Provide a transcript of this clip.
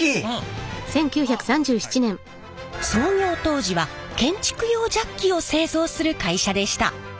創業当時は建築用ジャッキを製造する会社でした。